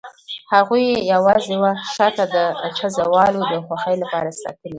هغوی یې یوازې وه شاته د خزهوالو د خوښۍ لپاره ساتلي.